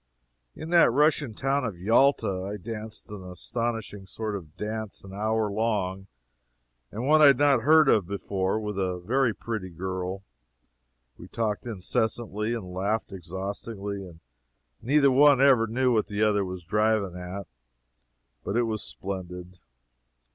In that Russia n town of Yalta I danced an astonishing sort of dance an hour long, and one I had not heard of before, with a very pretty girl, and we talked incessantly, and laughed exhaustingly, and neither one ever knew what the other was driving at. But it was splendid.